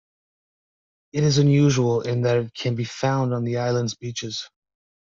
It is unusual in that it can be found on the islands' beaches.